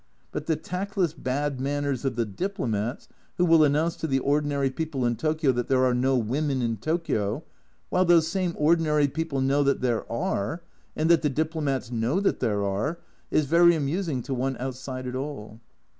But the tactless bad manners of the diplomats, who will announce to the ordinary people in Tokio that there are no women in Tokio, while those same ordinary people know that there are, and that the diplomats know that there are, is very amusing to one outside it all.